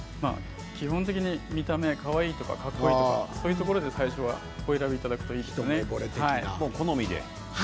基本的に見た目がかわいいとかかっこいいとかそういうところで選ぶのがいいと思います。